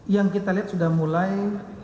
yang kita lihat sudah mulai